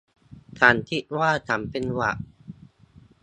ฉันคิดว่าฉันเป็นหวัด